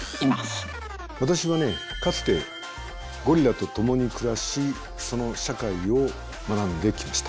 私はねかつてゴリラと共に暮らしその社会を学んできました。